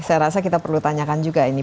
saya rasa kita perlu tanyakan juga ini